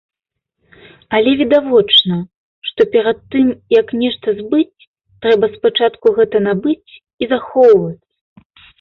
Але відавочна, што перад тым, як нешта збыць, трэба спачатку гэта набыць і захоўваць.